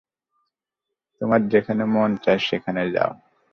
তোমার যেখানে মন চায় সেখানে যাও।